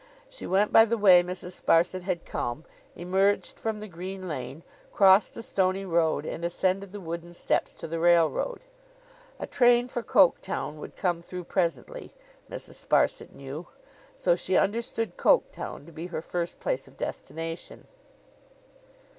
She went by the way Mrs. Sparsit had come, emerged from the green lane, crossed the stony road, and ascended the wooden steps to the railroad. A train for Coketown would come through presently, Mrs. Sparsit knew; so she understood Coketown to be her first place of destination.